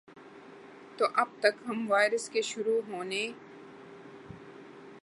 تو اب تک ہم وائرس کے شروع ہونے